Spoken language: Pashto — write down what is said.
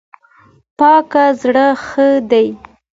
پاک زړه ښه دی.